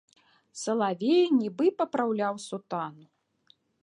Салавей нібы папраўляў сутану.